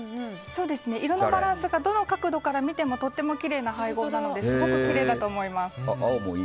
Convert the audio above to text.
色のバランスがどの角度から見てもとてもきれいな配合なのですごくきれいだと思います。